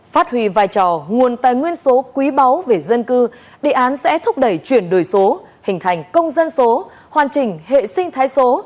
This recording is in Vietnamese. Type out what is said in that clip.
phát huy vai trò nguồn tài nguyên số quý báu về dân cư đề án sẽ thúc đẩy chuyển đổi số hình thành công dân số hoàn chỉnh hệ sinh thái số